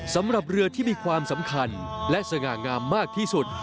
สำหรับเรือที่มีความสำคัญและสง่างามมากที่สุด